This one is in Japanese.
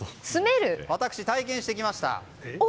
私、体験してきました。